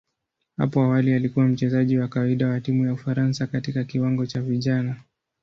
Hapo awali alikuwa mchezaji wa kawaida wa timu ya Ufaransa katika kiwango cha vijana.